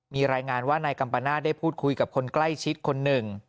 มีรายงานว่านายกัมปนาศได้พูดคุยกับคนใกล้ชิดคนหนึ่ง